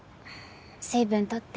水分取って。